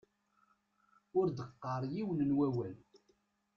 Ur d-qqar yiwen n wawal.